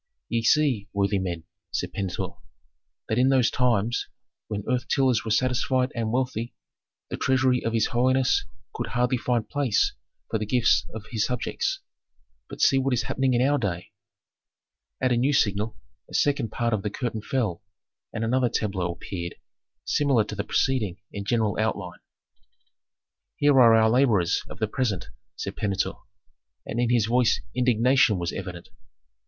"Ye see, worthy men," said Pentuer, "that in those times, when earth tillers were satisfied and wealthy, the treasury of his holiness could hardly find place for the gifts of his subjects. But see what is happening in our day." At a new signal a second part of the curtain fell, and another tableau appeared, similar to the preceding in general outline. "Here are our laborers of the present," said Pentuer, and in his voice indignation was evident.